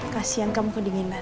kasian kamu kedinginan